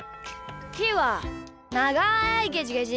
ひーはながいゲジゲジ。